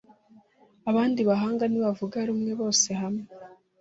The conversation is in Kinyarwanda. Abandi bahanga ntibavuga rumwe bose hamwe